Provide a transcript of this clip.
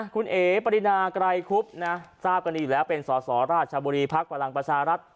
คุณเอ๋ปรินาไกรคุบทราบกันอยู่แล้วเป็นสรชบภปรรร